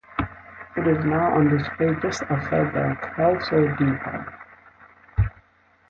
It is now on display just outside the Kelso Depot.